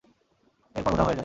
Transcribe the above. এর পর উধাও হয়ে যায়।